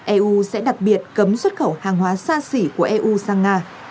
eu sẽ đặc biệt cấm xuất khẩu hàng hóa xa xỉ của eu sang nga